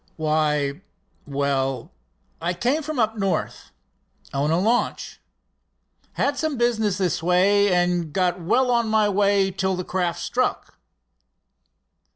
"Why well, I came from up north. Own a launch. Had some business this way, and got well on my way till the craft struck."